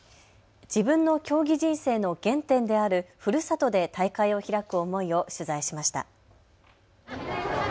自分の競技人生の原点であるふるさとで大会を開く思いを取材しました。